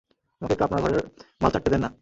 আমাকে একটু আপনার ঘরের মাল চাট তে দেন না!